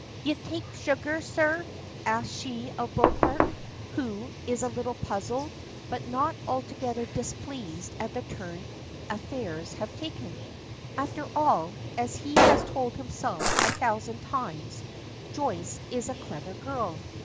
"Ye take sugar, sir?" asks she of Beauclerk, who is a little puzzled, but not altogether displeased at the turn affairs have taken. After all, as he has told himself a thousand times, Joyce is a clever girl.